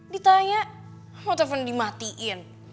ditanya mau telfon dimatiin